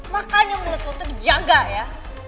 makanya menurut saya terjaga ya